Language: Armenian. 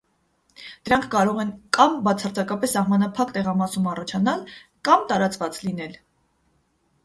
Դրանք կարող են կա՛մ բացարձակապես սահմանափակ տեղամասում առաջանալ, կա՛մ տարածված լինել։